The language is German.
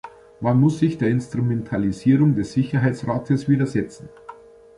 Man muss sich der Instrumentalisierung des Sicherheitsrates widersetzen.